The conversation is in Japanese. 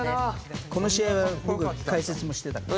この試合は僕解説もしてたから。